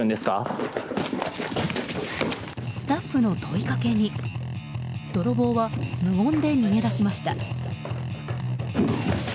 スタッフの問いかけに泥棒は無言で逃げ出しました。